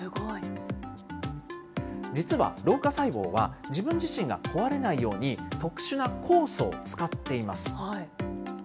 実は老化細胞は、自分自身が壊れないように特殊な酵素を使っています。